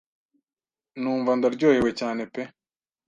numva ndaryohewe cyane pe.